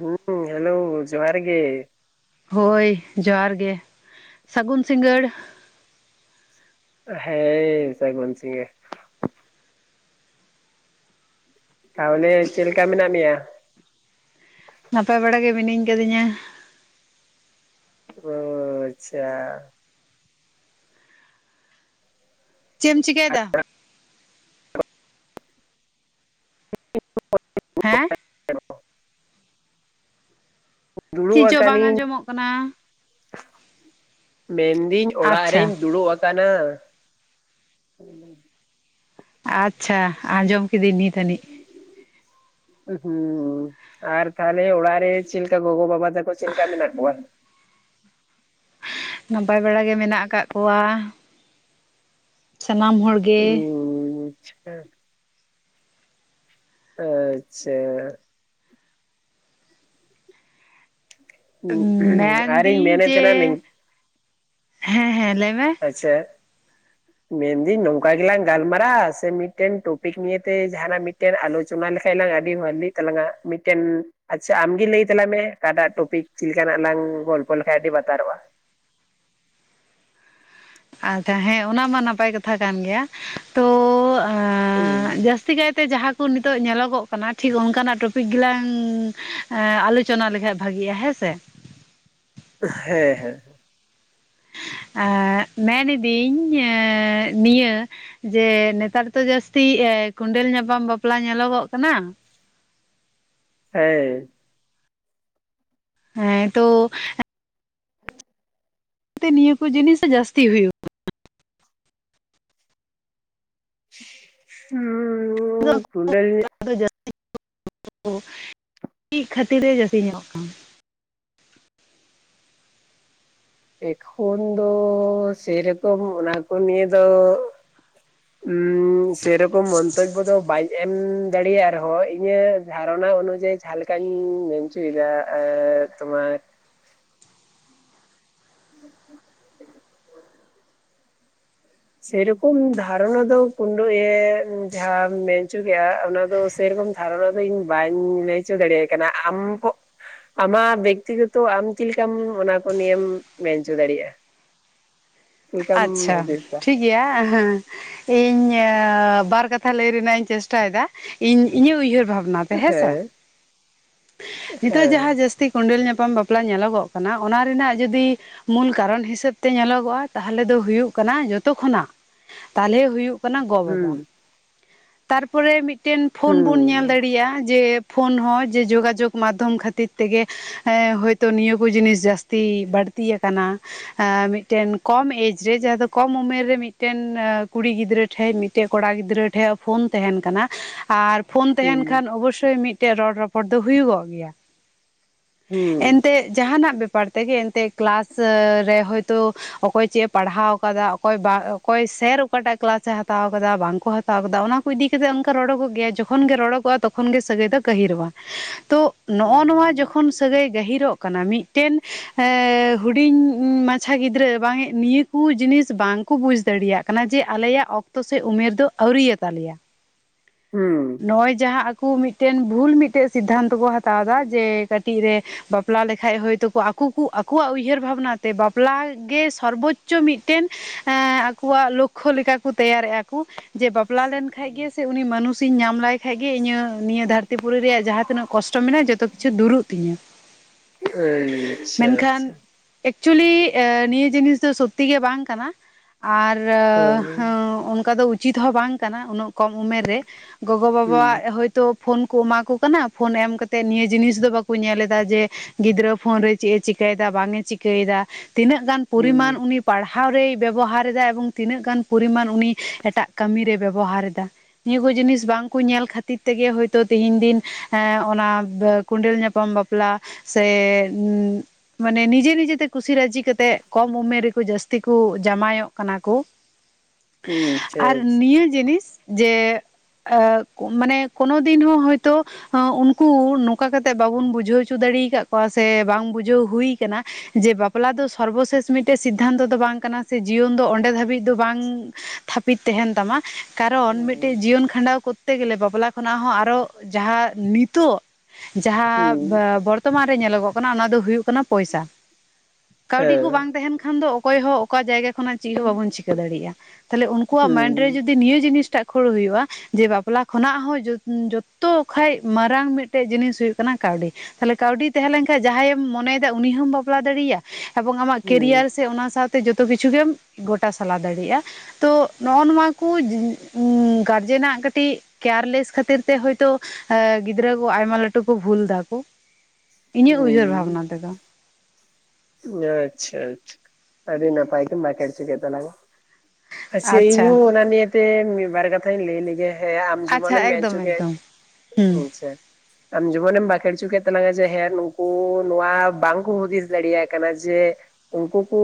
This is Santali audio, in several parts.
ᱦᱮᱸ ᱦᱮᱞᱳ ᱡᱚᱦᱟᱨ ᱜᱮ ᱦᱳᱭ ᱡᱚᱦᱟᱨ ᱜᱮ ᱥᱟᱹᱜᱩᱱ ᱥᱤᱸᱜᱟᱹᱲ ᱦᱮᱸ ᱥᱟᱜᱩᱱ ᱥᱤᱜᱟ. ᱲ ᱛᱟᱦᱚᱞᱮ ᱪᱮᱫ ᱞᱮᱠᱟ ᱢᱮᱱᱟᱜ ᱢᱮᱭᱟ? ᱱᱟᱯᱟᱭ ᱵᱟᱲᱟ ᱜᱮ ᱢᱤᱱᱟᱹᱧ ᱠᱟᱫᱤᱧᱟ ᱾ ᱚ ᱟᱪᱪᱷᱟ ᱪᱮᱢ ᱮᱢ ᱪᱤᱠᱟᱭᱫᱟ? ᱦᱮᱸ [unintelligible] ᱫᱩᱲᱩᱵ ᱪᱮᱫ ᱪᱚ ᱵᱟᱝ ᱟᱠᱟᱱᱤᱧ ᱟᱸᱡᱚᱢᱚᱜ ᱠᱟᱱᱟ ᱢᱮᱱᱫᱤᱧ ᱚᱲᱟᱜ ᱟᱪᱪᱷᱟ ᱨᱤᱧ ᱫᱩᱲᱩᱵ ᱟᱠᱟᱱᱟ᱾ ᱟᱪᱪᱷᱟ ᱟᱡᱚᱢ ᱠᱤᱫᱟᱹᱧ ᱱᱤᱛ ᱟᱹᱱᱤᱡ ᱦᱩᱸ ᱟᱨ ᱛᱟᱦᱞᱮ ᱚᱲᱟᱜ ᱨᱮ ᱞᱮᱠᱟ ᱜᱚᱜᱚ ᱵᱟᱵᱟ ᱛᱟᱠᱚ ᱪᱮᱫ ᱞᱮᱠᱟᱠᱟᱢᱤ ᱢᱮᱱᱟᱜ ᱠᱚᱣᱟ ᱾ ᱱᱟᱯᱟᱭ ᱵᱮᱲᱟ ᱜᱮ ᱢᱮᱱᱟᱜ ᱟᱠᱟᱫ ᱠᱚᱣᱟ᱾ ᱥᱟᱱᱟᱢ ᱦᱚᱲ ᱜᱮ ᱦᱮᱸ ᱟ. ᱟᱪᱪᱷᱟ ᱟᱨᱤᱧ ᱢᱮᱱᱫᱤᱧ ᱢᱮᱱᱮᱫ ᱡᱮ ᱛᱟᱦᱮᱱᱟ ᱦᱮᱸ ᱦᱮᱸ ᱞᱟᱹᱭ ᱢᱮ ᱟᱪᱪᱷᱟ ᱢᱮᱱᱫᱟᱹᱧ ᱱᱚᱝᱠᱟ ᱜᱮᱞᱟᱝ ᱜᱟᱞᱢᱟᱨᱟ ᱥᱮ ᱢᱤᱫᱴᱮᱱ ᱴᱚᱯᱤᱠ ᱱᱤᱭᱮ ᱛᱮ ᱡᱟᱦᱟᱱᱟᱜᱮᱱ ᱢᱤᱫ ᱢᱤᱫᱴᱮᱱ ᱟᱞᱳᱪᱚᱱᱟ ᱞᱮᱠᱷᱟ ᱞᱝ ᱟᱹᱰᱤ ᱵᱷᱷᱟᱞᱤ ᱛᱟᱞᱟᱝᱟ ᱢᱤᱫᱴᱮᱱ ᱟᱪᱪᱷᱟ ᱟᱢᱜᱮ ᱞᱟᱹᱭ ᱛᱟᱝ ᱢᱮ ᱚᱠᱟᱴᱟᱜ ᱴᱚᱯᱤᱠ ᱪᱮᱫ ᱞᱮᱠᱟᱱᱟᱜ ᱞᱟᱝ ᱜᱚᱞᱯᱚ ᱞᱮᱠᱷᱟᱡ ᱟᱹᱰᱤ ᱵᱟᱛᱟᱨᱚᱜᱼᱟ᱾ ᱟᱪᱪᱷᱟ ᱦᱮᱸ ᱚᱱᱟᱢᱟ ᱱᱟᱯᱟᱭ ᱠᱟᱱ ᱜᱮᱭᱟ, ᱛᱚ ᱦᱩᱸ ᱡᱟᱹᱥᱛᱤ ᱠᱟᱭᱛᱮ ᱡᱟᱦᱟᱸ ᱠᱚ ᱱᱤᱛᱚᱜ ᱧᱮᱞᱚᱜᱚᱜ ᱠᱟᱱᱟ ᱴᱷᱤᱠ ᱚᱱᱠᱟᱱᱟᱜ ᱴᱚᱯᱤᱠ ᱜᱮᱞᱟᱝ ᱟᱞᱳᱪᱚᱱᱟ ᱞᱮᱠᱷᱟᱡ ᱵᱷᱟᱜᱤᱜᱼᱟ ᱦᱮᱸ ᱥᱮ ᱦᱮᱸ ᱦᱮᱸ, ᱟᱸ ᱢᱮᱱᱤᱫᱤᱹᱧ ᱮᱸ ᱱᱤᱭᱟᱹ ᱡᱮ ᱱᱮᱛᱟᱨ ᱫᱚ ᱡᱟᱹᱥᱛᱤ ᱠᱩᱸᱰᱮᱞ ᱧᱟᱯᱟᱢ ᱵᱟᱯᱞᱟ ᱧᱮᱞᱚᱞᱚ-ᱜᱚᱜ ᱠᱟᱱᱟ᱾ ᱦᱮᱸ, ᱦᱮᱸ ᱛᱚ ᱛᱮ ᱱᱤᱭᱟᱹ ᱠᱚ ᱡᱤᱱᱤᱥ ᱡᱟᱥᱛᱤ ᱦᱩᱭᱩᱜ ᱦᱩᱸ ᱠᱩᱸᱰᱮᱞ [inaudible] ᱠᱷᱟᱹᱛᱤᱨᱮ ᱡᱟᱹᱥᱛᱤ ᱧᱮᱞᱚᱜ ᱠᱟᱱᱟ᱾ ᱮᱠᱷᱚᱱ ᱫᱚ ᱥᱮᱨᱚᱠᱚᱢ ᱚᱱᱟ ᱠᱚ ᱱᱤᱭᱟᱹ ᱫᱚ ᱦᱩ ᱥᱮᱨᱚᱠᱚᱢ ᱢᱚᱛᱚᱡᱵᱚ ᱫᱚ ᱵᱟᱭ ᱮᱢ ᱫᱟᱲᱮᱭᱟᱜ ᱨᱮᱦᱚᱸᱭ ᱤᱧᱟᱹᱜ ᱫᱷᱟᱨᱚᱱᱟ ᱚᱱᱩᱡᱟᱭᱤ ᱡᱟᱦᱟᱸ ᱞᱮᱠᱟᱧ ᱢᱮᱱ ᱚᱪᱚᱭᱮᱫᱟ ᱟᱨ ᱛᱳᱢᱟᱨ [unintelligible] ᱥᱮᱨᱚᱠᱚᱢ ᱫᱷᱟᱨᱚᱱᱟ ᱫᱚ ᱠᱩᱱᱸᱰᱩ ᱮᱢ ᱡᱟᱦᱟᱢᱸ ᱢᱮᱱᱪᱚ ᱠᱮᱜᱼᱟ ᱚᱱᱟ ᱫᱚ ᱥᱮᱨᱚᱠᱚᱢ ᱫᱷᱟᱨᱱᱟ ᱫᱚ ᱤᱧ ᱵᱟᱹᱧ ᱞᱟᱹᱭ ᱦᱚᱪᱚ ᱫᱟᱲᱮᱭ ᱠᱟᱱᱟ ᱟᱢ ᱯᱚ ᱟᱢᱟᱜ ᱵᱮᱠᱛᱤᱜᱚᱛᱚ ᱟᱢ ᱪᱮᱫ ᱞᱮᱠᱟᱢ ᱚᱱᱟ ᱠᱚ ᱱᱤᱭᱮᱢ ᱢᱮᱱᱪᱚ ᱫᱟᱲᱤᱭᱟᱜᱼᱟ? [unintelligible] ᱟᱪᱪᱷᱟ ᱦᱩᱫᱤᱥ ᱫᱟ? ᱴᱷᱤᱠ ᱜᱮᱭᱟ ᱦᱮᱸ, ᱤᱧ ᱵᱟᱨ ᱠᱟᱛᱷᱟ ᱞᱟᱹᱭ ᱨᱮᱱᱟᱜ ᱤᱧ ᱪᱮᱥᱴᱟᱭᱮᱫᱟ ᱤᱧ ᱤᱧᱟᱹᱜ ᱩᱭᱦᱟᱹᱨ ᱵᱷᱟᱵᱱᱟ᱾ ᱱᱟᱛᱮ ᱦᱮᱸᱥᱮ, ᱦᱮᱸ ᱱᱤᱛᱚᱜ ᱦᱮᱸ ᱡᱟᱦᱟᱸ ᱡᱟᱹᱥᱛᱤ ᱠᱚᱸᱰᱮᱞ ᱧᱟᱯᱟᱢ ᱵᱟᱯᱞᱟ ᱧᱮᱞᱚᱜᱚᱜ ᱠᱟᱱᱟ ᱚᱱᱟ ᱨᱮᱱᱟᱜ ᱡᱩᱚᱫᱤ ᱢᱩᱞ ᱠᱟᱨᱚᱱ ᱦᱤᱥᱟᱹᱵ ᱛᱮ ᱧᱮᱞᱚᱜᱚᱜᱼᱟ ᱛᱟᱦᱚᱞᱮ ᱫᱚ ᱦᱩᱭᱩᱜ ᱠᱟᱱᱟ ᱡᱚᱛᱚ ᱠᱷᱚᱱᱟᱜ ᱛᱟᱦᱚᱞᱮ ᱦᱩᱭᱩᱜ ᱠᱟᱱᱟ ᱜᱚ ᱵᱟᱵᱟ᱾ ᱦᱩᱸ ᱛᱟᱨᱯᱚᱨᱮ ᱢᱤᱫᱴᱮᱱ ᱯᱷᱳᱱ ᱵᱚᱱ ᱧᱮᱞ ᱦᱩᱸ ᱫᱟᱲᱮᱭᱟᱜᱼᱟ ᱡᱮ ᱯᱷᱳᱱ ᱦᱚᱸ ᱡᱮ ᱡᱳᱜᱟᱡᱳᱜᱽ ᱢᱟᱫᱽᱫᱷᱚᱢ ᱠᱷᱟᱹᱛᱤᱨ ᱛᱮᱜᱮ ᱮᱸ ᱦᱚᱳᱭᱛᱳ ᱱᱤᱭᱟᱹ ᱠᱚ ᱡᱤᱱᱤᱥ ᱡᱟᱹᱥᱛᱤ ᱵᱟᱹᱲᱛᱤ ᱟᱠᱟᱱᱟ᱾ ᱟᱸ ᱢᱤᱫᱴᱮᱱ ᱠᱚᱢ ᱮᱡᱽ [unintelligible] ᱨᱮ ᱡᱟᱦᱟᱸ ᱫᱚ ᱠᱚᱢ ᱩᱢᱮᱨ ᱨᱮ ᱢᱤᱫᱴᱮᱱ ᱠᱩᱲᱤ ᱜᱤᱫᱽᱨᱟᱹ ᱴᱷᱮᱡ ᱢᱤᱫᱴᱮᱡ ᱠᱚᱲᱟ ᱜᱤᱫᱽᱨᱟᱹ ᱴᱷᱮᱡ ᱯᱷᱳᱱ ᱛᱟᱦᱮᱱ ᱠᱟᱱᱟ ᱟᱨ ᱯᱷᱳᱱ ᱛᱟᱦᱮᱱ ᱦᱩᱸ ᱠᱷᱟᱱ ᱚᱵᱚᱥᱥᱳᱭ ᱢᱤᱫᱴᱮᱡ ᱨᱚᱲᱨᱚᱯᱚᱲ ᱫᱚ ᱦᱩᱭᱩᱜᱚᱜ ᱜᱮᱭᱟ᱾ ᱦᱩᱸ, ᱮᱱᱛᱮᱫ ᱡᱟᱦᱟᱱᱟᱜ ᱵᱮᱯᱟᱨ ᱛᱮᱜᱮ ᱮᱱᱛᱮᱫ ᱠᱞᱟᱥ ᱨᱮ ᱦᱳᱭᱛᱚ ᱚᱠᱚᱭ ᱪᱮᱫ ᱮ ᱯᱟᱲᱦᱟᱣ ᱟᱠᱟᱫᱟ ᱚᱠᱚᱭ ᱚᱠᱚᱭ ᱥᱮᱨ ᱚᱠᱟᱴᱟᱜ ᱠᱞᱟᱥ ᱮ ᱦᱟᱛᱟᱣ ᱟᱠᱟᱫᱟ ᱵᱟᱝᱠᱚ ᱦᱟᱛᱟᱣ ᱟᱠᱟᱫᱟ ᱫᱟ ᱚᱱᱟ ᱠᱚ ᱤᱫᱤ ᱠᱟᱛᱮ ᱚᱝᱠᱟ ᱨᱚᱲᱚᱜ ᱜᱮᱭᱟ ᱡᱚᱠᱷᱚᱱ ᱜᱮ ᱨᱚᱲᱚᱜᱼᱟ ᱛᱚᱠᱷᱚᱱ ᱜᱮ ᱥᱟᱹᱜᱟᱹᱭ ᱫᱚ ᱜᱟᱹᱦᱤᱨᱚᱜᱼᱟ᱾ ᱛᱚ ᱱᱚᱜᱼ ᱱᱚᱣᱟ ᱦᱩᱸ ᱡᱚᱠᱷᱚᱱ ᱥᱟᱹᱜᱟᱹᱭ ᱜᱟᱹᱦᱤᱨᱚᱜ ᱠᱟᱱᱟ ᱢᱤᱫᱴᱮᱱ ᱦᱩᱰᱤᱧ ᱢᱟᱪᱷᱟ ᱜᱤᱫᱽᱨᱟᱹ ᱵᱟᱝᱮᱜ ᱱᱤᱛ ᱠᱩ ᱡᱤᱱᱤᱥ ᱵᱟᱝᱠᱚ ᱵᱩᱡᱽ ᱫᱟᱲᱮᱭᱟᱜ ᱠᱟᱱᱟ ᱡᱮ ᱟᱞᱮᱭᱟᱜ ᱚᱠᱛᱚ ᱥᱮ ᱩᱢᱮᱨ ᱫᱚ ᱟᱹᱣᱨᱤᱭᱟᱛᱟᱞᱮᱭᱟ᱾ ᱦᱩᱸ, ᱱᱚᱜ ᱚᱭ ᱡᱟᱦᱟᱸ ᱟᱠᱚ ᱢᱤᱫᱴᱮᱱ ᱵᱷᱩᱞ ᱢᱤᱫᱴᱮᱡ ᱥᱤᱫᱽᱫᱷᱟᱱᱛᱚ ᱠᱚ ᱦᱟᱛᱟᱣ ᱮᱟ ᱡᱮ ᱠᱟᱴᱤᱡ ᱨᱮ ᱵᱟᱯᱞᱟ ᱞᱮᱠᱷᱟᱡ ᱦᱳᱭᱛᱳ ᱟᱠᱩᱠᱩ ᱟᱠᱚᱣᱟᱜ ᱩᱭᱦᱟᱹᱨ ᱵᱷᱟᱵᱽᱱᱟ ᱛᱮ ᱵᱟᱯᱞᱟ ᱜᱮ ᱥᱚᱨᱵᱚᱪᱪᱚ ᱢᱤᱫᱴᱮᱱ ᱮᱸ ᱟᱠᱚᱣᱟᱜ ᱞᱚᱠᱠᱷᱚ ᱞᱮᱠᱟ ᱠᱚ ᱛᱮᱭᱟᱨᱮᱜᱼᱟ ᱠᱚ᱾ ᱡᱮ ᱵᱟᱯᱞᱟ ᱞᱮᱱ ᱠᱷᱟᱱᱡ ᱜᱮ ᱥᱮ ᱩᱱᱤ ᱢᱟᱱᱩᱥ [unintelligible] ᱤᱧ ᱧᱟᱢ ᱞᱟᱭ ᱠᱷᱟᱱᱡ ᱜᱮ ᱤᱧᱟᱹᱜ ᱱᱤᱭᱟᱹ ᱫᱷᱟᱹᱨᱛᱤ ᱯᱩᱨᱤ ᱨᱮᱭᱟᱜ ᱡᱟᱦᱟᱸ ᱛᱤᱱᱟᱹᱜ ᱠᱚᱥᱴᱚ ᱢᱮᱱᱟᱜᱼᱟ ᱡᱚᱛᱚ ᱠᱤᱪᱷᱩ ᱫᱩᱨᱩᱜ [unintelligible] ᱛᱤᱧᱟᱹ᱾ ᱮᱸᱭ ᱟᱪᱪᱷᱟ ᱟᱪᱪᱷᱟ᱾ ᱮᱠᱪᱩᱞᱤ ᱱᱤᱭᱟᱹ ᱡᱤᱱᱤᱥ ᱫᱚ ᱥᱚᱛᱛᱤ ᱜᱮ ᱵᱟᱝ ᱠᱟᱱᱟ᱾ ᱟᱨ ᱦᱩᱸ ᱦᱚᱸ ᱚᱱᱠᱟ ᱫᱚ ᱩᱪᱤᱛ ᱦᱚᱸ ᱵᱟᱝ ᱠᱟᱱᱟ ᱩᱱᱟᱹᱜ ᱠᱚᱢ ᱩᱢᱮᱨ ᱨᱮ᱾ ᱜᱚᱜᱚ ᱦᱩᱸ ᱵᱟᱵᱟᱣᱟᱜ ᱦᱚᱭ ᱛᱚ ᱯᱷᱳᱱ ᱠᱚ ᱮᱢᱟ ᱠᱚ ᱠᱟᱱᱟ ᱾ ᱯᱷᱳᱱ ᱮᱢ ᱠᱟᱛᱮᱫ ᱱᱤᱭᱟᱹ ᱡᱤᱱᱤᱥ ᱫᱚ ᱵᱟᱠᱚ ᱧᱮᱞ ᱮᱫᱟ ᱡᱮ ᱜᱤᱫᱽᱨᱟᱹ ᱯᱷᱳᱱ ᱨᱮ ᱪᱮᱫ ᱮ ᱪᱤᱠᱟᱹᱭᱮᱫᱟ ᱵᱟᱝ ᱮ ᱪᱤᱠᱟᱹᱭᱮᱫᱟ ᱛᱤᱱᱟᱹᱜ ᱜᱟᱱ ᱯᱚᱨᱤᱢᱟᱱ ᱦᱩᱸ ᱩᱱᱤ ᱯᱟᱲᱦᱟᱣ ᱨᱮᱭ ᱵᱮᱵᱚᱦᱟᱨ ᱮᱫᱟ ᱮᱵᱚᱝ ᱛᱤᱱᱟᱹᱜ ᱜᱟᱱ ᱯᱚᱨᱤᱢᱟᱱ ᱩᱱᱤ ᱮᱴᱟᱜ ᱠᱟᱹᱢᱤ ᱨᱮ ᱵᱮᱵᱚᱦᱟᱨ ᱮᱫᱟ᱾ ᱱᱤᱭᱟᱹ ᱠᱚ ᱡᱤᱱᱤᱥ ᱵᱟᱝᱠᱚ ᱧᱮᱞ ᱠᱷᱟᱹᱛᱤᱨ ᱛᱮᱜᱮ ᱦᱳᱭᱛᱳ ᱛᱮᱦᱤᱧ ᱫᱤᱱ ᱮ ᱚᱱᱟ ᱠᱚᱸᱰᱮᱞ ᱧᱟᱯᱟᱢ ᱵᱟᱯᱞᱟ ᱥᱮ ᱩᱸ ᱢᱟᱱᱮ ᱱᱤᱡᱮ ᱱᱤᱡᱮᱛᱮ ᱠᱩᱥᱤ ᱨᱟᱹᱡᱤ ᱠᱟᱛᱮᱜ ᱠᱚᱢ ᱩᱢᱮᱨ ᱨᱮᱠᱚ ᱡᱟᱹᱥᱛᱤ ᱠᱚ ᱡᱟᱢᱟᱭᱚᱜ ᱠᱟᱱᱟ ᱠᱚ᱾ [inaudible] ᱟᱪᱪᱷᱟ ᱟᱨ ᱟᱪᱪᱷᱟ ᱱᱤᱭᱟᱹ ᱡᱤᱱᱤᱥ ᱡᱮ ᱮ ᱢᱟᱱᱮ ᱠᱚᱱᱳ ᱫᱤᱱ ᱦᱚᱸ ᱦᱚᱭᱛᱳ ᱩᱱᱠᱩ ᱱᱚᱝᱠᱟ ᱠᱟᱛᱮᱜ ᱵᱟᱵᱚᱱ ᱵᱩᱡᱷᱟᱹᱣ ᱦᱚᱪᱚ ᱫᱟᱲᱮ ᱟᱠᱟᱫ ᱠᱚᱣᱟ ᱥᱮ ᱵᱟᱝ ᱵᱩᱡᱷᱟᱹᱣ ᱦᱩᱭ ᱟᱠᱟᱱᱟ ᱡᱮ ᱵᱟᱯᱞᱟ ᱫᱚ ᱥᱚᱨᱵᱚᱥᱮᱥ ᱢᱤᱫᱴᱮᱡ ᱥᱤᱫᱽᱫᱷᱟᱱᱛᱚ ᱫᱚ ᱵᱟᱝ ᱠᱟᱱᱟ ᱥᱮ ᱡᱤᱭᱚᱱ ᱫᱚ ᱚᱸᱰᱮ ᱫᱷᱟᱹᱵᱤᱡ ᱫᱚ ᱵᱟᱝ ᱛᱷᱟᱯᱤᱛ ᱛᱟᱦᱮᱱ ᱛᱟᱢᱟ ᱠᱟᱨᱚᱱ ᱢᱤᱫ ᱦᱩᱸ ᱠᱷᱟᱸᱰᱟᱣ ᱠᱚᱨᱛᱮ ᱜᱮᱞᱮ ᱵᱟᱯᱞᱟ ᱠᱷᱚᱱᱟᱜ ᱦᱚᱸ ᱟᱨᱦᱚᱸ ᱡᱟᱦᱟᱸ ᱱᱤᱛᱚᱜ ᱡᱟᱦᱟᱸ ᱦᱩᱸ ᱵᱚᱨᱛᱚᱢᱟᱱ ᱨᱮ ᱧᱮᱞᱚᱜᱚᱜ ᱠᱟᱱᱟ ᱚᱱᱟ ᱫᱚ ᱦᱩᱭᱩᱜ ᱠᱟᱱᱟ ᱯᱚᱭᱥᱟ᱾ ᱠᱟᱹᱣᱰᱤ ᱠᱚ ᱦᱮᱸ ᱵᱟᱝ ᱛᱟᱦᱮᱱ ᱠᱷᱟᱱ ᱫᱚ ᱚᱠᱚᱭ ᱦᱚᱸ ᱚᱠᱟ ᱡᱟᱭᱜᱟ ᱠᱷᱚᱱᱟᱜ ᱪᱮᱫ ᱦᱚᱸ ᱵᱟᱵᱚᱱ ᱪᱤᱠᱟᱹ ᱫᱟᱲᱮᱭᱟᱜ-ᱟ᱾ ᱛᱟᱦᱚᱞᱮ ᱩᱱᱠᱩᱣᱟᱜ ᱢᱟᱭᱤᱱᱰ ᱨᱮ ᱦᱩᱸ ᱡᱩᱫᱤ ᱱᱤᱭᱟᱹ ᱡᱤᱱᱤᱥ ᱴᱟᱜ ᱠᱷᱟᱹᱲ ᱦᱩᱭᱩᱜ-ᱟ᱾ ᱡᱮ ᱵᱟᱯᱞᱟ ᱠᱷᱚᱱᱟᱜ ᱦᱚᱸ ᱡᱚᱛᱚ ᱠᱷᱚᱡ ᱢᱟᱨᱟᱝ ᱢᱤᱫᱴᱮᱡ ᱡᱤᱱᱤᱥ ᱦᱩᱭᱩᱜ ᱠᱟᱱᱟ ᱠᱟᱹᱣᱰᱤ᱾ ᱛᱟᱦᱚᱞᱮ ᱠᱟᱹᱣᱰᱤ ᱛᱟᱦᱮᱸ ᱞᱮᱱᱠᱷᱟᱱ ᱡᱟᱦᱟᱸᱭᱮᱢ ᱢᱚᱱᱮᱭᱮᱫᱟ ᱩᱱᱤ ᱦᱚᱸᱢ ᱵᱟᱯᱞᱟ ᱫᱟᱲᱮᱭᱟᱭᱟ ᱾ ᱮᱵᱚᱝ ᱟᱢᱟᱜ ᱠᱮᱨᱤᱭᱟᱨ ᱦᱩᱸ ᱥᱮ ᱚᱱᱟ ᱥᱟᱶ ᱼ-ᱛᱮ ᱡᱚᱛᱚ ᱠᱤᱪᱷᱩ ᱜᱮᱢ ᱜᱚᱴᱟ ᱥᱟᱞᱟ ᱫᱟᱲᱮᱭᱟᱜ-ᱟ᱾ ᱛᱚ ᱱᱚᱜ-ᱚ ᱱᱚᱣᱟ ᱠᱚ ᱩᱸ ᱜᱟᱨᱡᱮᱱᱟᱜ ᱠᱟᱹᱴᱤᱡ ᱠᱮᱭᱟᱨᱞᱮᱥ ᱠᱷᱟᱹᱛᱤᱨ ᱛᱮ ᱦᱳᱭᱛᱳ ᱜᱤᱫᱽᱨᱟᱹ ᱠᱚ ᱟᱭᱢᱟ ᱞᱟᱹᱴᱩ ᱠᱚ ᱵᱷᱩᱞ ᱮᱫᱟᱠᱚ [inaudible] ᱤᱧᱟᱹᱜ ᱩᱭᱦᱟᱹᱨ ᱵᱷᱟᱵᱱᱟ ᱛᱮᱫᱚ᱾ ᱟᱪᱪᱷᱟ ᱟᱪᱪᱷᱟ ᱟᱹᱰᱤ ᱱᱟᱯᱟᱭ ᱛᱮᱢ ᱵᱟᱠᱷᱮᱲ ᱦᱚᱪᱚ ᱠᱮᱫ ᱛᱟᱞᱟᱝ-ᱟ᱾ ᱟᱪᱪᱷᱟ ᱤᱧ ᱦᱚᱸ ᱚᱱᱟ ᱱᱤᱭᱟᱹᱛᱮ ᱢᱤᱫ ᱵᱟᱨ ᱠᱟᱛᱷᱟᱧ ᱞᱟᱹᱭ ᱞᱮᱜᱮ᱾ ᱦᱮᱸ ᱟᱢ ᱡᱮᱢᱚᱱᱮᱢ ᱟᱪᱪᱷᱟ ᱢᱮᱱ ᱮᱠᱫᱚᱢ ᱦᱚᱪᱚ ᱠᱮᱫ ᱮᱠᱫᱚᱢ ᱦᱩᱸ [inaudible] ᱟᱪᱪᱷᱟ᱾ ᱟᱢ ᱡᱮᱢᱚᱱᱮᱢ ᱵᱟᱸᱠᱷᱮᱲ ᱦᱚᱪᱚ ᱠᱮᱫ ᱛᱟᱞᱟᱝᱟ ᱡᱮ ᱦᱮᱸ ᱱᱩᱠᱩ ᱱᱚᱣᱟ ᱵᱟᱝᱠᱩ ᱦᱩᱫᱤᱥ ᱫᱟᱲᱮᱭᱟᱜ ᱠᱟᱱᱟ ᱡᱮ [inaudible] ᱩᱱᱠᱩ ᱠᱩ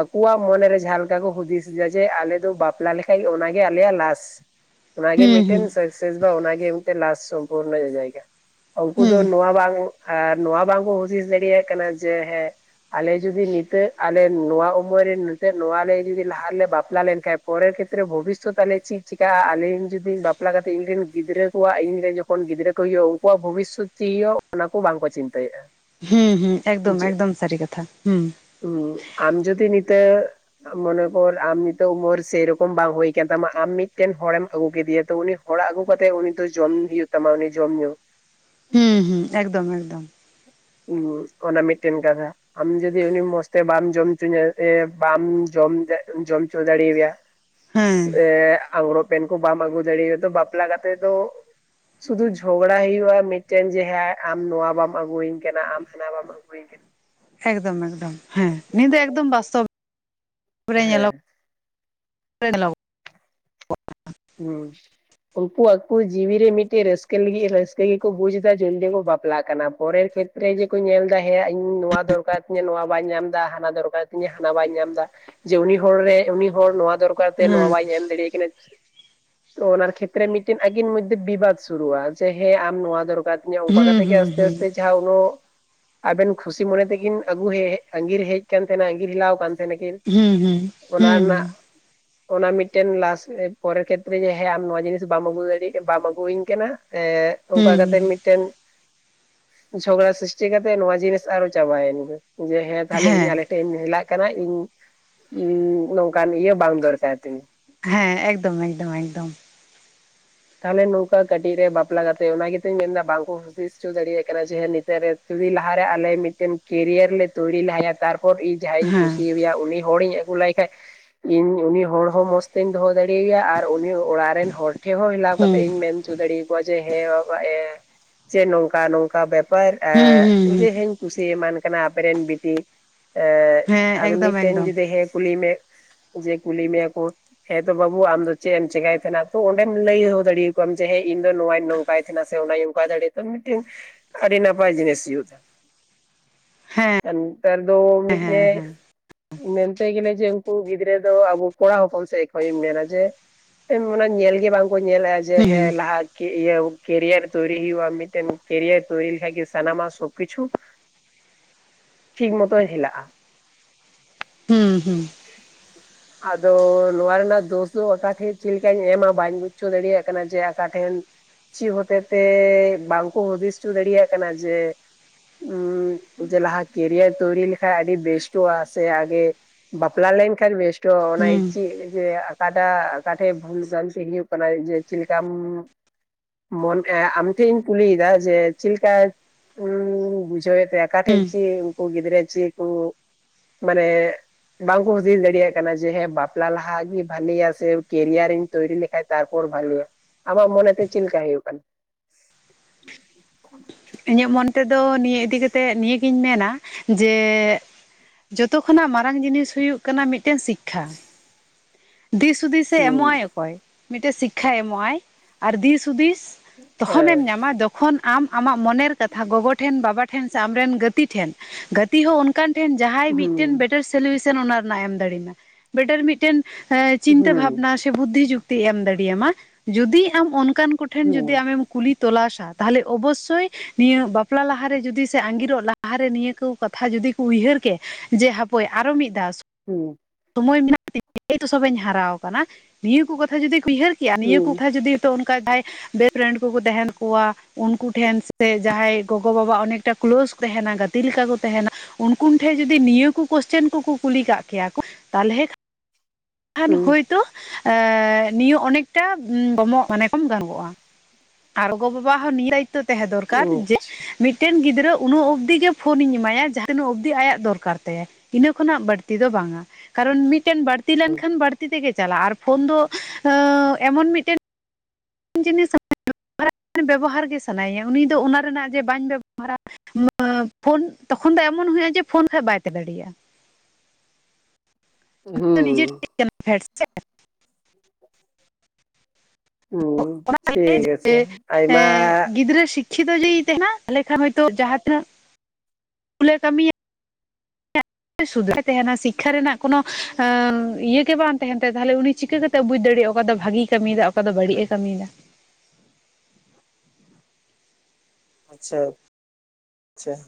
ᱟᱠᱚᱣᱟᱜ ᱢᱚᱱᱮ ᱨᱮ ᱡᱟᱦᱟᱸ ᱞᱮᱠᱟ ᱠᱚ ᱦᱩᱫᱤᱥ ᱮᱫᱟ ᱡᱮ ᱟᱞᱮ ᱫᱚ ᱵᱟᱯᱞᱟ ᱞᱮᱠᱟᱡ ᱚᱱᱟᱜᱮ ᱟᱞᱮᱭᱟᱜ ᱞᱟᱥ᱾ ᱚᱱᱟᱜᱮ ᱦᱩᱸ ᱦᱩᱸ ᱢᱤᱫᱴᱮᱱ ᱥᱟᱠᱥᱮᱥ ᱫᱚ ᱚᱱᱟᱜᱮ ᱢᱤᱫᱴᱮᱱ ᱞᱟᱥᱴ ᱥᱚᱢᱯᱩᱨᱱᱚ ᱡᱟᱭᱜᱟ᱾ ᱩᱱᱠᱩ ᱫᱚ ᱦᱩᱸ ᱱᱚᱣᱟ ᱵᱟᱝ ᱱᱚᱣᱟ ᱵᱟᱝᱠᱚ ᱦᱩᱫᱤᱥ ᱫᱟᱲᱮᱭᱟᱜ ᱠᱟᱱᱟ ᱡᱮ ᱦᱮᱸ ᱟᱞᱮ ᱡᱩᱫᱤ ᱱᱤᱛᱟᱹᱜ ᱟᱞᱮ ᱱᱚᱣᱟ ᱩᱢᱮᱨ ᱨᱮ ᱱᱤᱛᱟᱹᱜ ᱱᱚᱣᱟᱞᱮ ᱡᱩᱫᱤ ᱞᱟᱦᱟ ᱨᱮᱞᱮ ᱵᱟᱯᱞᱟ ᱞᱮᱱᱠᱷᱟᱱ ᱯᱚᱨᱮᱨ ᱠᱷᱮᱛᱨᱮ ᱵᱷᱚᱵᱤᱫᱥᱚᱛ ᱟᱞᱮ ᱪᱮᱫ ᱪᱮᱠᱟᱹᱜᱟ ᱟᱞᱤᱧ ᱡᱩᱫᱤ ᱵᱟᱯᱞᱟ ᱠᱟᱛᱮ ᱤᱧ ᱨᱮᱱ ᱜᱤᱫᱽᱨᱟᱹ ᱠᱚᱣᱟᱜ ᱤᱧ ᱨᱮᱱ ᱡᱚ ᱠᱷᱚᱱ ᱜᱤᱫᱽᱨᱟᱹ ᱠᱚ ᱦᱩᱭᱩᱜ-ᱟ ᱩᱱᱠᱩᱣᱟᱜ ᱵᱷᱚᱵᱤᱥᱥᱚᱛ ᱪᱮᱫ ᱦᱩᱭᱩᱜ-ᱟ ᱚᱱᱟ ᱠᱚ ᱵᱟᱝ ᱠᱚ ᱪᱤᱱᱛᱟᱹᱭᱮᱫ-ᱟ᱾ ᱦᱩᱸ ᱦᱩᱸ ᱮᱠᱫᱚᱢ ᱮᱠᱫᱚᱢ ᱥᱟᱨᱤ ᱠᱟᱛᱷᱟ ᱦᱩᱸ᱾ ᱦᱩᱸ ᱟᱢ ᱡᱩᱫᱤ ᱱᱤᱛᱟᱹᱜ ᱢᱚᱱᱮ ᱠᱚᱨ ᱟᱢ ᱱᱤᱛᱚᱜ ᱩᱢᱟᱹᱨ ᱥᱮᱨᱚᱠᱚᱢ ᱵᱟᱝ ᱦᱩᱭ ᱠᱟᱱ ᱛᱟᱢᱟ ᱟᱢ ᱢᱤᱫᱴᱮᱱ ᱦᱚᱲᱮᱢ ᱟᱹᱜᱩ ᱠᱮᱫᱮᱭᱟ ᱛᱚ ᱩᱱᱤ ᱚᱲᱟᱜ ᱟᱹᱜᱩ ᱠᱟᱛᱮᱜ ᱩᱱᱤ ᱫᱚ ᱡᱚᱢ [unintelligible] ᱛᱟᱢᱟ ᱩᱱᱤ ᱡᱚᱢ ᱧᱩ᱾ [inaudible] ᱦᱩᱸ ᱦᱩᱸ ᱮᱠᱫᱚᱢ ᱮᱠᱫᱚᱢ᱾ ᱦᱩᱸ ᱚᱱᱟ ᱢᱤᱫᱴᱮᱱ ᱠᱟᱛᱷᱟ᱾ ᱟᱢ ᱡᱩᱫᱤ ᱩᱱᱤ ᱢᱚᱸᱡᱽ ᱛᱮ ᱵᱟᱢ ᱡᱚᱢ ᱦᱚᱪᱚᱧᱟ ᱵᱟᱢ ᱡᱚᱢ ᱡᱚᱢ ᱦᱚᱪᱚ ᱫᱟᱲᱮᱭᱟᱫᱮᱭᱟ ᱦᱮᱸ ᱥᱮᱻ ᱟᱝᱽᱜᱨᱚᱵᱽ ᱯᱮᱱ ᱠᱚ ᱵᱟᱢ ᱟᱹᱜᱩ ᱫᱟᱲᱮᱟᱫᱟ ᱵᱟᱯᱞᱟ ᱠᱟᱛᱮᱫ ᱫᱚ ᱥᱩᱫᱷᱩ ᱡᱷᱚᱜᱲᱟ ᱦᱳᱭᱳᱜ-ᱟ ᱢᱤᱫᱴᱟᱝ ᱡᱮ ᱦᱮᱸ ᱟᱢ ᱱᱚᱣᱟ ᱵᱟᱢ ᱟᱹᱜᱩᱟᱹᱧ ᱠᱟᱱᱟ ᱟᱢ ᱦᱟᱱᱟ ᱵᱟᱢ [unintelligible] ᱮᱠᱫᱚᱢ ᱮᱠᱫᱚᱢ ᱦᱮᱸ ᱱᱤᱭᱟᱹ ᱫᱚ ᱮᱠᱫᱚᱢ ᱵᱟᱥᱛᱚᱵ [inaudible] ᱨᱮ ᱧᱮᱞᱚ ᱦᱮᱸ [inaudible] [unintelligible] ᱩᱝᱠᱩ ᱟᱠᱚ ᱡᱤᱭᱤ ᱨᱮ ᱢᱤᱫᱴᱮᱡ ᱨᱟᱹᱥᱠᱟᱹ ᱞᱟᱹᱜᱤᱫ ᱨᱟᱹᱥᱠᱟᱹ ᱜᱮᱠᱚ ᱵᱩᱡ ᱮᱫᱟ [unintelligible] ᱵᱟᱯᱞᱟᱜ ᱠᱟᱱᱟ ᱯᱚᱨᱮᱨ ᱠᱷᱮᱛ ᱨᱮ ᱡᱮ ᱠᱚ ᱧᱮᱞ ᱮᱫᱟ ᱦᱮᱸᱭᱟ ᱤᱧ ᱱᱚᱣᱟ ᱫᱚᱨᱠᱟᱨ ᱛᱤᱧᱟ ᱱᱚᱣᱟ ᱵᱟᱭ ᱧᱟᱢᱫᱟ, ᱦᱟᱱᱟ ᱫᱚᱨᱠᱟᱨ ᱛᱤᱧᱟᱹ ᱦᱟᱱᱟ ᱵᱟᱭ ᱧᱟᱢᱫᱟ, ᱡᱮ ᱩᱱᱤ ᱦᱚᱲ ᱨᱮ ᱩᱱᱤ ᱦᱚᱲ ᱱᱚᱣᱟ ᱫᱚᱨ ᱠᱟᱨ ᱛᱟᱭᱟ ᱦᱮᱸ ᱱᱚᱣᱟ ᱵᱟᱧ ᱮᱢ ᱫᱟᱲᱮᱭᱟᱭ ᱠᱟᱱᱟ᱾ ᱚᱱᱟᱨ ᱠᱷᱮᱛᱨᱮ ᱢᱤᱫᱴᱮᱱ ᱟᱠᱤᱱ ᱢᱚᱫᱽᱫᱷᱮ ᱵᱤᱵᱟᱫ ᱥᱩᱨᱩᱜᱼᱟ ᱡᱮ ᱦᱮᱸ ᱟᱢ ᱱᱚᱣᱟ ᱫᱚᱨᱠᱟᱨ ᱛᱤᱧᱟ ᱚᱝᱠᱟ ᱦᱩᱸ ᱠᱟᱛᱮ ᱜᱮ ᱦᱩᱸ ᱟᱥᱛᱮ ᱦᱩᱸ ᱟᱥᱛᱮ ᱡᱟᱦᱟᱸ ᱩᱱᱟᱹᱜ, ᱟᱵᱮᱱ ᱠᱷᱩᱥᱤ ᱢᱚᱱᱮ ᱛᱮᱵᱤᱱ ᱟᱹᱜᱩ ᱦᱮᱡ ᱟᱸᱜᱤᱨ ᱦᱮᱡ ᱠᱟᱱ ᱛᱟᱦᱮᱸᱱᱟ ᱟᱸᱜᱤᱨ ᱦᱮᱞᱟᱣ ᱠᱟᱱ ᱛᱮᱦᱮᱸᱱ ᱟᱠᱤᱱ᱾ ᱦᱩᱸ ᱦᱩᱸ ᱚᱱᱟ ᱦᱩᱸ ᱨᱮᱱᱟᱜ, ᱚᱱᱟ ᱢᱤᱫᱴᱮᱱ ᱞᱟᱥ ᱯᱚᱨᱮᱨ ᱠᱷᱮᱛ ᱛᱨᱮ ᱡᱮ ᱦᱮᱸ ᱟᱢ ᱱᱚᱣᱟ ᱡᱤᱱᱤᱥ ᱵᱟᱢ ᱟᱹᱜᱩ ᱫᱟᱲᱮ, ᱵᱟᱢ ᱟᱹᱜᱩᱭᱟᱹᱧ ᱠᱟᱱᱟ, ᱮᱸ ᱚᱝᱠᱟ ᱦᱩᱸ ᱠᱟᱛᱮᱱ ᱢᱤᱫ ᱴᱮᱱ, ᱡᱷᱚᱜᱽᱲᱟ ᱥᱨᱤᱥᱴᱤ ᱠᱟᱛᱮᱜ ᱱᱚᱣᱟ ᱡᱤᱱᱤᱥ ᱟᱨᱚ ᱪᱟᱵᱟᱭᱮᱱ ᱜᱮ᱾ ᱡᱮ ᱦᱮᱸ ᱛᱟᱦᱚᱞᱮ ᱤᱧ ᱟᱞᱮ ᱴᱮᱱ ᱦᱮᱞᱟᱜ ᱠᱟᱱᱟᱧ, ᱤᱧ ᱱᱚᱝᱠᱟᱱ ᱤᱭᱟᱹ ᱵᱟᱝ ᱫᱚᱨᱠᱟᱨ ᱛᱤᱧᱟᱹ᱾ ᱦᱮᱸ ᱮᱠᱫᱚᱢ ᱮᱠ ᱫᱚᱢ ᱮᱠᱫᱚᱢ ᱾ ᱛᱟᱦᱚᱞᱮ ᱱᱚᱝᱠᱟ ᱠᱟᱴᱤᱡ ᱨᱮ ᱵᱟᱯᱞᱟ ᱠᱟᱛᱮ ᱚᱱᱟ ᱜᱮ ᱛᱚᱧ ᱢᱮᱱᱫᱟ ᱵᱟᱝᱠᱚ [unintelligible] ᱦᱚᱪᱚ ᱫᱟᱲᱮᱭᱟᱜ ᱠᱟᱱᱟ ᱡᱮ ᱦᱮᱸ ᱱᱤᱛᱟᱨ ᱨᱮ ᱡᱩᱫᱤ ᱞᱟᱦᱟᱨᱮ ᱟᱞᱮ ᱢᱤᱫᱴᱮᱱ ᱠᱮᱨᱤᱭᱟᱨ ᱞᱮ ᱛᱚᱭᱨᱤ ᱞᱟᱦᱟᱭᱟ ᱛᱟᱨᱯᱚᱨ ᱤᱧ ᱡᱟᱦᱟᱸᱧ ᱦᱮᱸ ᱠᱩᱥᱤ ᱟᱭᱟ ᱩᱱᱤ ᱦᱚᱲᱤᱧ ᱟᱹ ᱜᱩ ᱞᱟᱭ ᱠᱷᱟᱡ, ᱤᱧ ᱩᱱᱤ ᱦᱚᱲ ᱦᱚᱸ ᱢᱚᱸᱡᱽ ᱛᱮᱧ ᱫᱚᱦᱚ ᱫᱟᱲᱮ ᱟᱭᱟ ᱟᱨ ᱩᱱᱤ ᱚᱲᱟᱜ ᱨᱮᱱ ᱦᱚᱲ ᱴᱷᱮᱡ ᱦᱚᱸ ᱦᱮᱞᱟᱣ ᱦᱩᱸ ᱠᱟᱛᱮᱜ-ᱤᱧ ᱢᱮᱱ ᱦᱚᱪᱚ ᱫᱟᱲᱮᱭᱟ ᱠᱚᱣᱟ ᱡᱮ ᱦᱮᱸ ᱵᱟᱵᱟ ᱮᱻ ᱡᱮ ᱱᱚᱝᱠᱟ ᱱᱚᱝᱠᱟ ᱵᱮ ᱯᱟᱨ, ᱦᱩᱸ ᱦᱩᱸ ᱡᱮ ᱦᱮᱧ ᱠᱩᱥᱤ ᱮᱢᱟᱱ ᱠᱟᱱᱟ ᱟᱯᱮ ᱨᱮᱱ ᱵᱤᱴᱤ, ᱮᱸᱻ ᱦᱮᱸ ᱟᱫᱚ ᱮᱠᱫᱚᱢ ᱢᱤᱫᱴᱮᱱ ᱮᱠᱫᱚᱢ ᱡᱩᱫᱤ ᱦᱮᱸ ᱠᱩᱞᱤ ᱢᱮ ᱡᱮ ᱠᱩᱞᱤ ᱢᱮᱭᱟ ᱠᱚ ᱦᱮᱸ ᱛᱚ ᱵᱟᱹᱵᱩ ᱟᱢ ᱫᱚ ᱪᱮᱫ ᱮᱢ ᱪᱮᱠᱟᱭ ᱛᱟᱦᱮᱸᱱᱟ ᱛᱚ ᱚᱸᱰᱮᱢ ᱞᱟᱹᱭ ᱦᱚᱸ ᱫᱟᱲᱮᱭᱟ ᱠᱚᱣᱟᱢ ᱡᱮ ᱦᱮᱸ ᱤᱧ ᱫᱚ ᱱᱚᱣᱟᱧ ᱱᱚᱝᱠᱟᱭ ᱛᱟᱦᱮᱸᱱᱟ ᱥᱮ ᱚᱱᱟᱧ ᱚᱝᱠᱟ ᱫᱟᱲᱮᱭᱟ ᱛᱚ ᱢᱤᱫᱴᱟᱝ ᱟᱹᱰᱤ ᱱᱟᱯᱟᱭ ᱡᱤᱱᱤᱥ ᱦᱩᱭᱩᱜ [inaudible] ᱦᱮᱸ ᱟᱨ ᱱᱮᱛᱟᱨ ᱫᱚ ᱦᱮᱸ ᱢᱤᱫᱴᱮᱜ ᱦᱮᱸ ᱢᱮᱱᱛᱮ ᱜᱮᱞᱮ ᱡᱮ ᱩᱝᱠᱩ ᱜᱤᱫᱽᱨᱟᱹ ᱫᱚ ᱟᱵᱚ ᱠᱚᱲᱟ ᱦᱚᱯᱚᱱ ᱥᱮᱫ ᱠᱷᱚᱭᱮᱜ ᱢᱮᱱᱟ ᱡᱮ ᱮᱱ [unintelligible] ᱧᱮᱞᱜᱮ ᱵᱟᱝᱠᱚ ᱧᱮᱞᱟ ᱡᱮ ᱦᱩᱸ ᱦᱮᱸ ᱞᱟᱦᱟ ᱠᱮ ᱤᱭᱟᱹ ᱠᱮᱨᱤᱭᱟᱨ ᱛᱚᱭᱨᱤ ᱦᱩᱭᱩᱜᱼᱟ ᱢᱤᱫᱴᱮᱱ ᱠᱮᱨᱤᱭᱟᱨ ᱛᱳᱭᱨᱤ ᱞᱮᱠᱷᱟᱡ ᱜᱮ ᱥᱟᱱᱟᱢᱟᱜ ᱥᱚᱵ ᱠᱤᱪᱷᱩ ᱴᱷᱤᱠ ᱢᱚᱛᱚᱭ ᱦᱮᱞᱟᱜ-ᱟ᱾ ᱦᱩᱸ ᱦᱩᱸ᱾ ᱟᱫᱚ ᱱᱚᱣᱟ ᱨᱮᱱᱟᱜ ᱫᱳᱥ ᱫᱚ ᱚᱠᱟ ᱴᱷᱮᱡ ᱪᱮᱫ ᱞᱮᱠᱟᱧ ᱮᱢᱟ ᱵᱟᱧ ᱵᱩᱡ ᱦᱚᱪᱚ ᱫᱟᱲᱮᱭᱟᱜ ᱠᱟᱱᱟ ᱡᱮ ᱟᱠᱟ ᱴᱷᱮᱱ ᱪᱮᱫ ᱦᱚᱛᱮᱛᱮ ᱵᱟᱝ ᱠᱚ ᱦᱩᱫᱤᱥ ᱪᱚ ᱫᱟᱲᱮᱭᱟᱜ ᱠᱟᱱᱟ ᱡᱮ ᱡᱮ ᱞᱟᱦᱟ ᱠᱮᱨᱤᱭᱟᱨ ᱛᱳᱭᱨᱤ ᱞᱮᱠᱷᱟᱡ ᱟᱹᱰᱤ ᱵᱮᱥᱴᱚᱜ-ᱟ ᱥᱮ ᱟᱜᱮ ᱵᱟᱯᱞᱟ ᱞᱮᱱᱠᱷᱟᱱ ᱵᱮᱥᱴᱚᱜ, ᱚᱱᱟ ᱜᱮ ᱦᱩᱸ ᱪᱮᱫ ᱡᱮ ᱟᱠᱟᱴᱟᱜ ᱟᱠᱟᱴᱷᱮᱡ ᱵᱷᱩᱞ ᱡᱟᱱᱛᱮ ᱦᱩᱭᱩᱜ ᱠᱟᱱᱟᱭ ᱡᱮ ᱪᱮᱫ ᱞᱮᱠᱟᱢ ᱢᱚᱱ [inaudible] ᱟᱢᱴᱷᱮᱡ ᱤᱧ ᱠᱩᱞᱤᱭᱮᱫᱟ ᱡᱮ ᱪᱮᱫᱮᱠᱟ ᱩᱸᱻ ᱵᱩᱡᱷᱟᱹᱣᱮᱫ ᱛᱮ ᱟᱠᱟ ᱦᱩᱸ ᱴᱮᱡ ᱪᱮᱜ ᱩᱝᱠᱩ ᱜᱤᱫᱽᱨᱟᱹ ᱪᱮᱫ ᱠᱚ, ᱢᱟᱱᱮ ᱵᱟᱝᱠᱚ ᱦᱩᱫᱤᱥ ᱫᱟᱲᱮᱭᱟᱜ ᱠᱟᱱᱟ ᱡᱮ ᱦᱮᱸ ᱵᱟᱯᱞᱟ ᱞᱟᱦᱟᱜ ᱜᱮ ᱵᱷᱟᱞᱮᱭᱟ ᱥᱮ ᱠᱮᱨᱤᱭᱟᱨᱤᱧ ᱛᱳᱚᱭᱨᱤ ᱞᱮᱠᱷᱟᱡ ᱛᱟᱨᱯᱚᱨ ᱵᱷᱟᱞᱤᱭᱟ, ᱟᱢᱟᱜ ᱢᱚᱱᱮᱛᱮ ᱪᱮᱫ ᱞᱮᱠᱟ ᱦᱩᱭᱩᱜ ᱠᱟᱱᱟ? ᱤᱧᱟᱹᱜ ᱢᱚᱱ ᱛᱮᱫᱚ ᱱᱤᱭᱟᱹ ᱤᱫᱤ ᱠᱟᱛᱮᱫ ᱱᱤᱭᱟᱹᱜᱤᱧ ᱢᱮᱱᱟ ᱡᱮᱻ ᱡᱚᱛᱚ ᱠᱷᱚᱱᱟᱜ ᱢᱟᱨᱟᱝ ᱡᱤᱱᱤᱥ ᱦᱩᱭᱩᱜ ᱠᱟᱱᱟ ᱢᱤᱫᱴᱮᱱ ᱥᱤᱠᱠᱷᱟ᱾ ᱫᱤᱥ ᱦᱩᱫᱤᱥ ᱮ ᱮᱢᱚᱜ ᱦᱩᱸ ᱟᱭ ᱚᱠᱚᱭ, ᱢᱤᱫᱴᱮᱡ ᱥᱤᱠᱠᱷᱟᱭ ᱮᱢᱚᱜ ᱟᱭ ᱟᱨ ᱫᱤᱥ ᱦᱩᱫᱤᱥ ᱛᱚᱠᱷᱚᱱᱮᱢ ᱧᱟᱢᱟ ᱡᱚᱠᱷᱚᱱ ᱟᱢ ᱟᱢᱟᱜ ᱢᱚᱱᱮᱨ ᱠᱟᱛᱷᱟ ᱜᱚᱜᱚ ᱴᱷᱮᱱ ᱵᱟᱵᱟ ᱴᱷᱮᱱ ᱥᱮ ᱟᱢᱨᱮᱱ ᱜᱟᱛᱤ ᱴᱷᱮᱱᱼᱼ ᱛᱤ ᱦᱚᱸ ᱚᱱᱠᱟᱱ ᱡᱟᱦᱟᱸᱭ ᱵᱮᱴᱟᱨ ᱥᱳᱞᱤᱭᱩᱥᱚᱱ ᱚᱱᱟ ᱨᱮᱱᱟᱜ ᱮᱢ ᱫᱟᱲᱮᱭᱟᱢᱟ᱾ ᱵᱮᱴᱟᱨ ᱢᱤᱫᱴᱮᱱ ᱪᱤᱱᱛᱟᱹ ᱦᱮᱸ ᱵᱷᱟᱵᱱᱟᱼᱼ ᱵᱩᱫᱽᱫᱷᱤ ᱡᱩᱠᱛᱤ ᱮᱢ ᱫᱟᱲᱮᱭᱟᱢᱟ ᱡᱩᱫᱤ ᱟᱢ ᱚᱱᱠᱟᱱ ᱠᱚᱴᱷᱮᱱ ᱦᱩᱸ ᱡᱩᱫᱤ ᱟᱢᱮᱢᱼᱼ ᱠᱩᱞᱤ ᱛᱚᱞᱟᱥᱟ ᱛᱟᱦᱚᱞᱮ ᱚᱵᱚᱥᱚᱭᱼᱼ ᱱᱤᱥᱪᱚᱭ ᱱᱤᱭᱟᱹ ᱵᱟᱯᱞᱟ ᱞᱟᱦᱟᱨᱮ ᱡᱩᱫᱤ ᱥᱮ ᱟᱸᱜᱤᱨᱚᱜ ᱞᱟᱦᱟᱨᱮ ᱱᱤᱭᱟᱹ ᱠᱚ ᱠᱟᱛᱷᱟ ᱡᱩᱫᱤ ᱠᱚ ᱩᱭᱦᱟᱹᱨ ᱠᱮᱼᱼ ᱡᱮ ᱦᱟᱯᱚᱭ ᱟᱨᱚ ᱢᱤᱫ ᱫᱷᱟᱣ ᱼᱼ ᱦᱩᱸ ᱾ ᱥᱚᱢᱳᱚᱭ ᱢᱮᱱᱟᱜᱼᱟ ᱛ ᱥᱚᱵ ᱤᱧ ᱦᱟᱨᱟ ᱟᱠᱟᱱᱟ ᱱᱤᱭᱟᱹ ᱠᱚ ᱠᱟᱛᱷᱟ ᱡᱩᱫᱤ ᱩᱭᱦᱟᱹᱨ ᱠᱮᱭᱟᱼᱼ ᱠᱮᱭᱟ ᱱᱤᱭᱟᱹ ᱦᱩᱸ ᱦᱩᱸ ᱠᱚᱛᱷᱟ ᱡᱩᱫᱤ ᱚᱱᱠᱟ ᱠᱷᱟᱡ ᱡᱟᱦᱟᱸᱭ ᱵᱮᱥᱴ ᱯᱷᱨᱮᱱᱰ ᱠᱚᱠᱚ ᱛᱟᱦᱮᱱ ᱠᱚᱣᱟ ᱩᱱᱠᱩᱼᱼ ᱴᱷᱮᱱ ᱥᱮ ᱡᱟᱦᱟᱸᱭ ᱜᱚᱜᱚ ᱵᱟᱵᱟ ᱚᱱᱮᱠᱴᱟ ᱠᱞᱳᱡᱽ ᱛᱟᱦᱮᱱᱟ ᱜᱟᱛᱮ ᱞᱮᱠᱟ ᱠᱚ ᱛᱟᱦᱮᱱᱟ ᱩᱱᱠᱩᱱ ᱴᱷᱮᱡ ᱡᱩᱫᱤ ᱱᱤᱭᱟᱹ ᱠᱚ ᱠᱚᱥᱪᱮᱱ ᱠᱚᱠᱚ ᱠᱩᱞᱤ ᱠᱟᱜ ᱠᱮᱭᱟ ᱠᱩ ᱛᱟᱞᱦᱮ ᱠᱷᱟᱱ ᱦᱩᱸ ᱦᱚᱳᱭᱛᱳ ᱮ ᱱᱤᱭᱟᱹ ᱚᱱᱮᱠᱴᱟ ᱠᱚᱢᱚᱜ ᱢᱟᱱᱮ ᱠᱚᱢ ᱜᱟᱱᱠᱚᱣᱟ᱾ ᱟᱨ ᱜᱚ ᱵᱟᱵᱟ ᱦᱚᱸ ᱱᱤᱭᱟᱹ ᱫᱟᱭᱤᱛᱛᱚ ᱛᱟᱸᱦᱮ ᱫᱚᱨᱠᱟᱨ ᱦᱩᱸ ᱡᱮ ᱢᱤᱫᱴᱮᱱ ᱜᱤᱫᱽᱨᱟᱹ ᱩᱱᱟᱹᱜ ᱚᱵᱫᱤᱜ ᱜᱮ ᱯᱷᱳᱱᱤᱧ ᱮᱢᱟᱭᱟ ᱡᱟᱦᱟᱸ ᱛᱤᱱᱟᱹᱜ ᱚᱵᱫᱤ ᱟᱭᱟᱜ ᱫᱚᱨᱠᱟᱨ ᱛᱟᱭᱟ᱾ ᱤᱱᱟᱹ ᱠᱷᱚᱱᱟᱜ ᱵᱟᱹᱲᱛᱤ ᱫᱚ ᱵᱟᱝᱟ ᱠᱟᱨᱚᱱ ᱢᱤᱫᱴᱮᱱ ᱵᱟᱲ ᱛᱤ ᱞᱮᱱᱠᱷᱟᱱ ᱵᱟᱲᱛᱤ ᱛᱮᱜᱮ ᱪᱟᱞᱟᱜ-ᱟ ᱟᱨ ᱯᱷᱳᱱ ᱫᱚ ᱮᱢᱚᱱ ᱢᱤᱫᱴᱮᱱ ᱡᱤᱱᱤᱥ ᱵᱮᱵᱚᱦᱟᱨ ᱜᱮ ᱥᱟᱱᱟᱭᱤᱭᱟ ᱩᱱᱤ ᱫᱚ ᱚᱱᱟ ᱨᱮᱱᱟᱜ ᱡᱮ ᱵᱟᱹᱧ ᱵᱮᱵᱚᱦᱟᱨᱟᱼᱼ ᱯᱷᱳᱱ ᱛᱚᱠᱷᱚᱱ ᱫᱚ ᱮᱢᱚᱱ ᱦᱩᱭᱩᱜ-ᱟ ᱡᱮ ᱯᱷᱳᱱ ᱠᱷᱟᱡ ᱵᱟᱭ ᱛᱟᱦᱮ ᱫᱟᱲᱮᱭᱟᱜ-ᱟ᱾ ᱦᱩᱸ᱾ ᱛᱚ ᱱᱤᱡᱮ ᱴᱷᱮᱡ ᱠᱟᱱᱟ ᱯᱷᱮᱴ ᱥᱮ᱾ [inaudible] ᱦᱩᱸ ᱚᱱᱟᱮ ᱴᱷᱤᱠ ᱡᱮ ᱟᱪᱷᱮ ᱮ ᱟᱭᱢᱟ ᱜᱤᱫᱽᱨᱟᱹ ᱥᱤᱠᱷᱼᱼ ᱠᱷᱤᱛᱚ ᱡᱩᱫᱤᱭ ᱛᱮᱦᱮᱱᱟ ᱛᱟᱦᱞᱮ ᱠᱷᱟᱱ ᱦᱚᱭᱛᱳ ᱡᱟᱦᱟᱸ ᱛᱤᱱᱟᱹᱜ ᱩᱞᱮ ᱠᱟᱹᱢᱤᱭᱟ ᱥᱩᱫᱷᱟᱭ ᱛᱮᱦᱮᱱᱟ ᱥᱤᱠᱠᱷᱟ ᱨᱮᱱᱟᱜ ᱠᱳᱱᱚ ᱤᱭᱟᱹ ᱜᱮ ᱵᱟᱝ ᱛᱟᱦᱮᱱ ᱛᱟᱭᱟ ᱛᱟᱦᱞᱮ ᱩᱱᱤ ᱪᱤᱠᱟᱹ ᱠᱟᱛᱮ ᱪᱤᱠᱟ. ᱠᱟᱛᱮ-ᱮ ᱵᱩᱡ ᱫᱟᱲᱤᱭᱟᱜ-ᱟ ᱚᱠᱟ ᱫᱚ ᱵᱷᱟᱜᱤᱭ ᱠᱟᱹᱢᱤᱭ ᱫᱟ ᱚᱠᱟ ᱫᱚ ᱵᱟᱹᱲᱤᱡ ᱮ ᱠᱟᱹᱢᱤᱭ ᱫᱟ᱾ ᱟᱪᱪᱷᱟ ᱟᱪᱪᱷᱟ ᱾